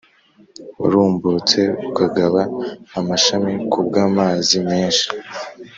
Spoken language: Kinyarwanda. warumbutse ukagaba amashami ku bw’amazi menshi